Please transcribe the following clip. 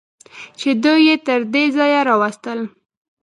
چې دوی یې تر دې ځایه راوستل.